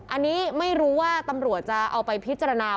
อันนี้ไม่รู้ว่าตำรวจจะเอาไปพิจารณา